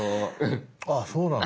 あっそうなんだ。